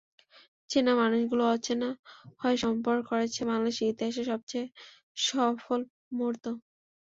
চেনা মানুষগুলো অচেনা হয়ে সম্ভবপর করেছে বাংলাদেশের ইতিহাসের সবচেয়ে সফল মুহূর্ত।